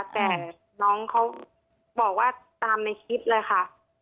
แต่น้องเขาบอกว่าตามในคลิปเลยค่ะ